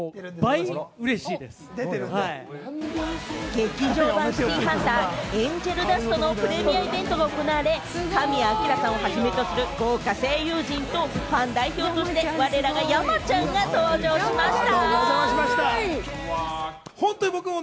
『劇場版シティーハンター天使の涙』のプレミアイベントが行われ、神谷明さんをはじめとする豪華声優陣と、ファン代表としてわれらが山ちゃんが登場しました。